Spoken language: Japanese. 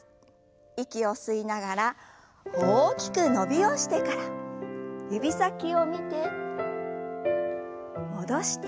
息を吸いながら大きく伸びをしてから指先を見て戻して。